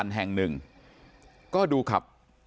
สวัสดีครับ